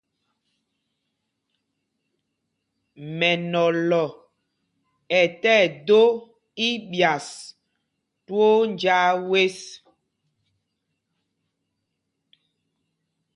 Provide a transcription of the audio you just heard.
Mɛnɔlɔ ɛ tí ɛdō íɓyas twóó njāā zes.